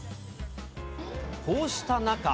こうした中。